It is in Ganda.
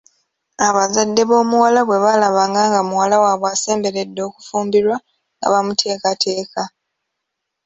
Abazadde b'omuwala bwe baalabanga nga muwala waabwe asemberedde okufumbirwa nga bamuteekateeka.